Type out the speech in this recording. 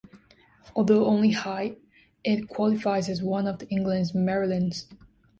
Although only high, it qualifies as one of England's Marilyns.